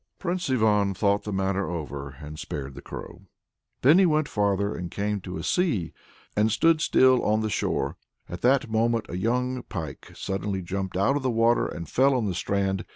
Prince Ivan thought the matter over and spared the crow. Then he went farther, and came to a sea and stood still on the shore. At that moment a young pike suddenly jumped out of the water and fell on the strand.